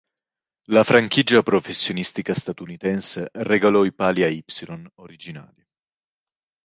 La franchigia professionistica statunitense regalò i pali a “Y” originali.